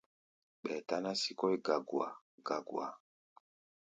Ɓɛɛ táná sii kɔ́ʼí gagua-gagua.